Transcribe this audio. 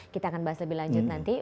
kita akan bahas lebih lanjut nanti